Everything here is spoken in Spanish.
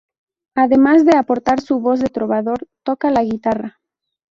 Además de aportar su "voz de trovador", toca la guitarra.